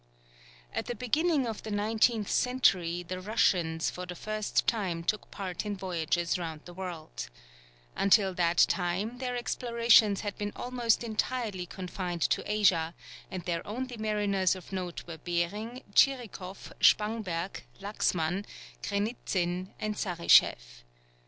At the beginning of the nineteenth century, the Russians for the first time took part in voyages round the world, Until that time their explorations had been almost entirely confined to Asia, and their only mariners of note were Behring, Tchirikoff, Spangberg, Laxman, Krenitzin, and Saryscheff.